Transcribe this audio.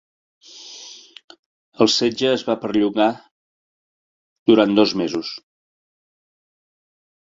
El setge es va perllongar durant dos mesos.